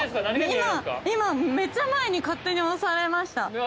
今めっちゃ前に勝手に押されました。